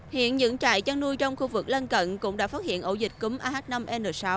hiện những trại chăn nuôi trong khu vực lân cận cũng đã phát hiện ổ dịch cúng ah năm n sáu